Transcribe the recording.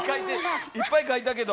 いっぱい書いたけど。